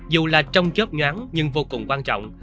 dù là trong chớp nhoáng nhưng vô cùng quan trọng